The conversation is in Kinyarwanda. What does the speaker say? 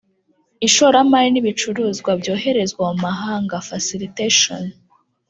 ishoramari n ibicuruzwa byoherezwa mu mahanga facilitation